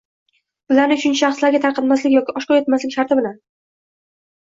ularni uchinchi shaxslarga tarqatmaslik yoki oshkor etmaslik sharti bilan;